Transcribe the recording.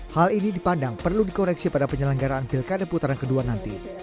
hal ini dipandang perlu dikoreksi pada penyelenggaraan pilkada putaran kedua nanti